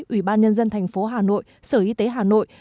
ủy ban nhân dân tp hà nội sở y tế hà nội